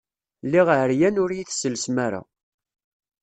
Lliɣ ɛeryan, ur yi-tesselsem ara.